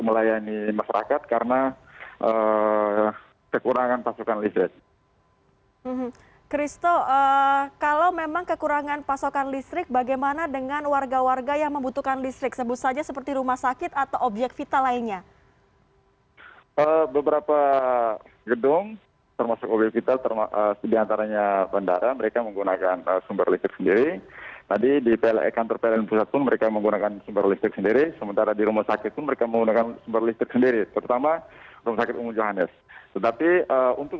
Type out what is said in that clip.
masih belum terangkat